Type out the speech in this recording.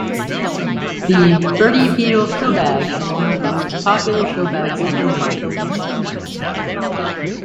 The 'Bertie Beetle Showbag' is one of the most popular showbags ever made.